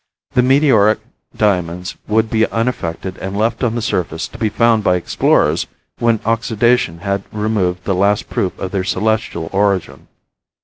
The meteoric diamonds would be unaffected and left on the surface to be found by explorers when oxidation had removed the last proof of their celestial origin.